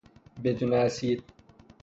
بدون اسید